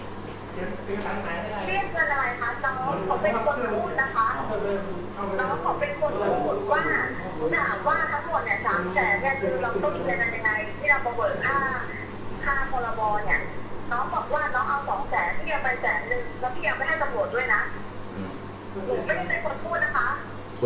เรียกกันอะไรคะ